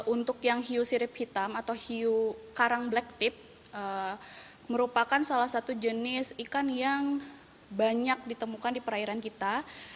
untuk yang hiu sirip hitam atau hiu karang black tip merupakan salah satu jenis ikan yang banyak ditemukan di perairan kita